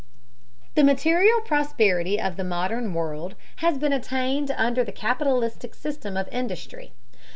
The material prosperity of the modern world has been attained under the capitalistic system of industry.